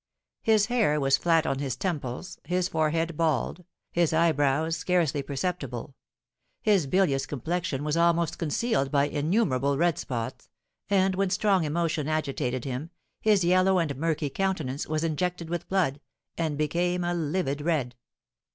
His hair was flat on his temples, his forehead bald, his eyebrows scarcely perceptible; his bilious complexion was almost concealed by innumerable red spots, and, when strong emotion agitated him, his yellow and murky countenance was injected with blood, and became a livid red.